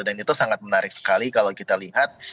itu sangat menarik sekali kalau kita lihat